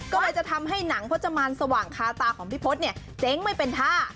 ก็เลยจะทำให้หนังพจมานสว่างคาตาของพี่พศเนี่ยเจ๊งไม่เป็นท่า